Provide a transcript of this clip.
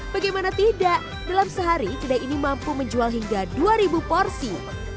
bagaimana tidak dalam sehari kedai ini mampu menjual hingga dua ribu porsi